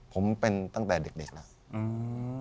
ผมเป็นตั้งแต่เด็กแล้ว